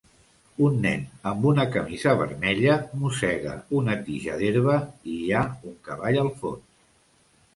Un nen amb una camisa vermella mossega una tija d'herba i hi ha un cavall al fons